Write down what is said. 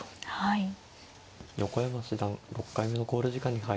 はい。